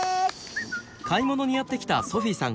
買い物にやって来たソフィーさん。